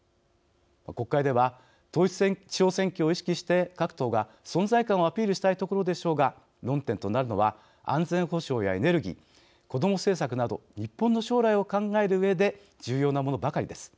国会では、統一地方選挙を意識して、各党が存在感をアピールしたいところでしょうが論点となるのは、安全保障やエネルギー、子ども政策など日本の将来を考えるうえで重要なものばかりです。